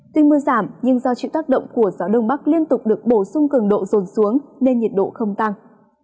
tuy mưa giảm nhưng do chịu tác động của gió đông bắc liên tục được bổ sung cường độ rồn xuống nên nhiệt độ không tăng